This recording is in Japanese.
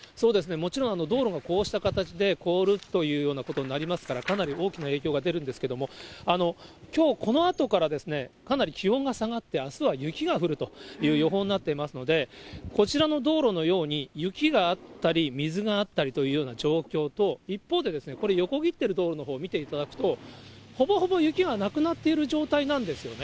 もちろん、道路もこうした形で凍るというようなことになりますから、かなり大きな影響が出るんですけれども、きょうこのあとから、かなり気温が下がって、あすは雪が降るという予報になっていますので、こちらの道路のように、雪があったり水があったりというような状況と、一方でこれ、横切っている道路のほうを見ていただくと、ほぼほぼ雪はなくなっている状態なんですよね。